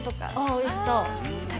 おいしそう。